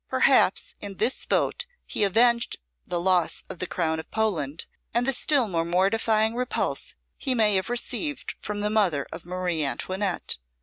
Perhaps in this vote he avenged the loss of the crown of Poland, and the still more mortifying repulse he may have received from the mother of Marie Antoinette.